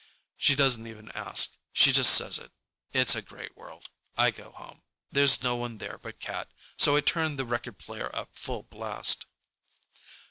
She doesn't even ask. She just says it. It's a great world. I go home. There's no one there but Cat, so I turn the record player up full blast.